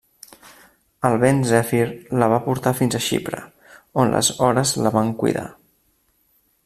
El vent Zèfir la va portar fins a Xipre, on les Hores la van cuidar.